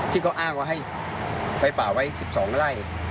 ที่เขาอ้างว่าให้ไฟป่าไว้๑๒ไร่